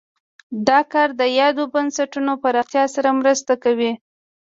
دا کار د یادو بنسټونو پراختیا سره مرسته کوي.